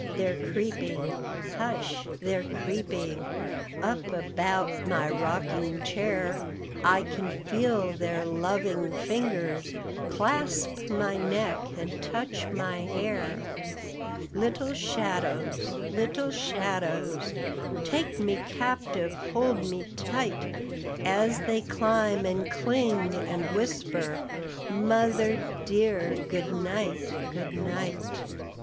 they're creeping; hush! they're creeping, Up about my rocking chair: I can feel their loving fingers Clasp my neck and touch my hair. Little shadows, little shadows, Take me captive, hold me tight, As they climb and cling and whisper, 'Mother dear, good night! good night!'"